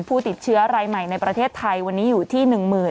ผู้ติดเชื้อรายใหม่ในประเทศไทยวันนี้อยู่ที่๑๐๐๐